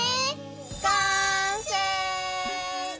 完成！